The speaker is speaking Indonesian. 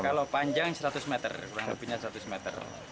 kalau panjang seratus meter kurang lebihnya seratus meter